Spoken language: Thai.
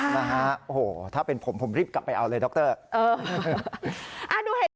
นะฮะโอ้โหถ้าเป็นผมผมรีบกลับไปเอาเลยดรเออ